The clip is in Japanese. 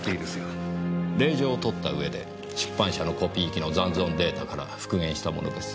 令状を取ったうえで出版社のコピー機の残存データから復元したものです。